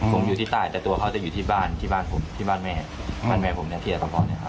ผมอยู่ที่ใต้แต่ตัวเขาจะอยู่ที่บ้านที่บ้านแม่ที่บ้านแม่ผมที่อัตภัณฑ์นะครับ